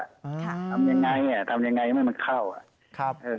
ทำยังไงทำยังไงให้มันเข้า